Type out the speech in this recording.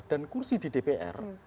dan kursi di dpr